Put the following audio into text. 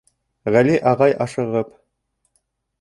Ғәли ағай, ашығып: